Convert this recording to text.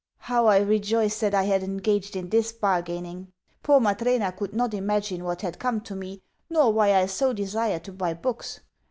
How I rejoiced that I had engaged in this bargaining! Poor Matrena could not imagine what had come to me, nor why I so desired to buy books.